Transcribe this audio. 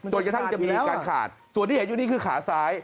จนกระทั่งจะมีการขาดส่วนที่เห็นอยู่นี่คือขาซ้าย